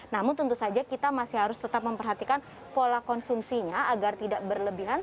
namun tentu saja kita masih harus tetap memperhatikan pola konsumsinya agar tidak berlebihan